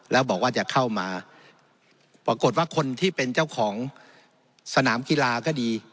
แล้วบอกว่าจะเข้ามาปรากฏว่าคนที่เป็นเจ้าของสนามกีฬาก็ดี